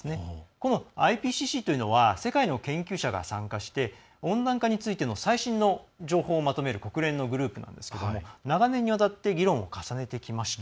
このＩＰＣＣというのは世界の研究者が参加して温暖化についての最新の情報をまとめる国連のグループなんですけれども長年にわたって議論を重ねてきました。